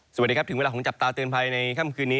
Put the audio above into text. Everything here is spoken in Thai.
สวัสดีครับถึงเวลาของจับตาเตือนภัยในค่ำคืนนี้